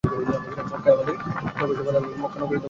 মক্কায় আমাদের প্রবেশে বাধা দিলে মক্কা ধ্বংসের নগরীতে পরিণত হবে।